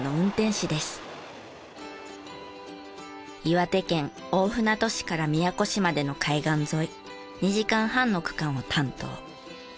岩手県大船渡市から宮古市までの海岸沿い２時間半の区間を担当。